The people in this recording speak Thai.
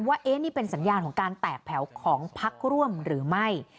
ว่านี่เป็นสัญญาณของการแตกแถวของพักร่วมหรือไม่